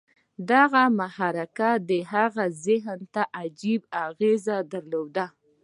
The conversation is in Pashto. دغه محرک د هغه ذهن ته عجيبه اغېز ولېږداوه.